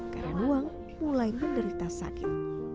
karanuang mulai menderita sakit